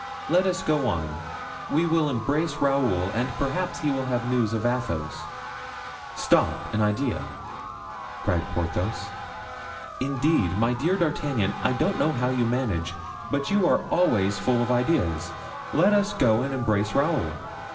Let us go on. We will embrace Raoul, and perhaps he will have news of Athos." "Stop—an idea!" cried Porthos; "indeed, my dear D'Artagnan, I don't know how you manage, but you are always full of ideas; let us go and embrace Raoul."